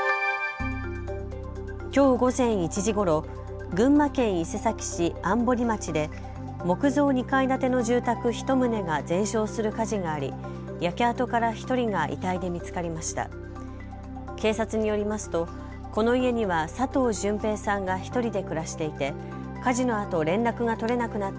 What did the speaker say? きょう午前１時ごろ、群馬県伊勢崎市安堀町で木造２階建ての住宅１棟が全焼する火事があり焼け跡から１人が遺体で見つかりました。